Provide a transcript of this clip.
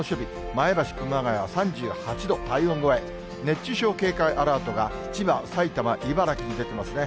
前橋、熊谷は３８度、体温超え、熱中症警戒アラートが千葉、埼玉、茨城に出てますね。